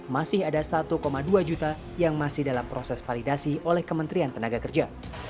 masih ada satu dua juta yang masih dalam proses validasi oleh kementerian tenaga kerja